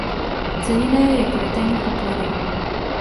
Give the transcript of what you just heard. Ceněné je kvetení a plody.